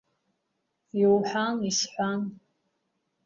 Иуҳәан, исҳәан…